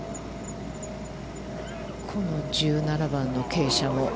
この１７番の傾斜。